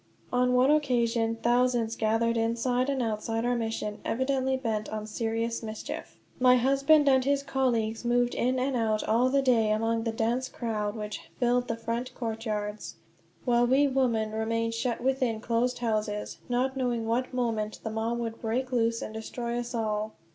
On one occasion thousands gathered inside and outside our mission, evidently bent on serious mischief. My husband and his colleagues moved in and out all that day among the dense crowd which filled the front courtyards; while we women remained shut within closed houses, not knowing what moment the mob would break loose and destroy us all.